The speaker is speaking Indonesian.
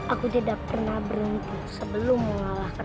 aku tidak pernah berhenti sebelum mengalahkan